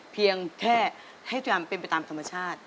เพียงแค่ให้ทำเป็นไปตามธรรมชาติ